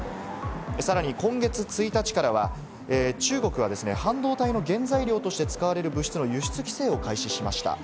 さらに今月１日からは、中国はですね、半導体の原材料として使われる物質の輸出規制を開始しました。